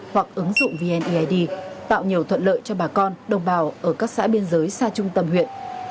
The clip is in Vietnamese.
hoặc ứng dụng vneid tạo nhiều thuận lợi cho bà con đồng bào ở các xã biên giới xa trung tâm huyện